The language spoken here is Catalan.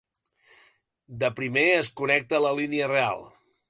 De primer, es connecta la línia real.